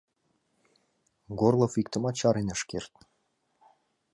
Горлов иктымат чарен ыш керт.